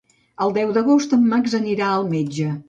El deu d'agost en Max anirà al metge.